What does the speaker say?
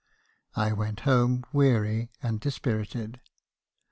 I went home weary and dispirited.